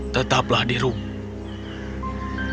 tetaplah di rumah